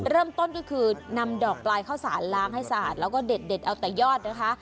เริ่มต้นก็คือนำดอกปลายข้าวสารล้างให้สะอาดแล้วก็เด็ดเอาแต่ยอดนะคะ